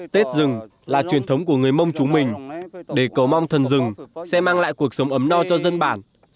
tết dừng là truyền thống của người mông chúng mình để cầu mong thần rừng sẽ mang lại cuộc sống ấm no cho dân bản